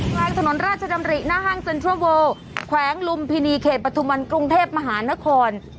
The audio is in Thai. กลางถนนราชดำริหน้าห้างเซ็นทรัลเวิลแขวงลุมพินีเขตปฐุมวันกรุงเทพมหานคร